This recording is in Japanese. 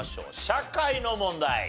社会の問題。